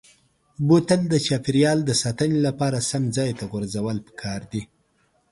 بوتل د چاپیریال د ساتنې لپاره سم ځای ته غورځول پکار دي.